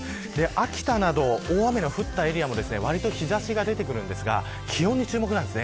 秋田など大雨が降ったエリアもわりと日差しが出てくるんですが気温に注目です。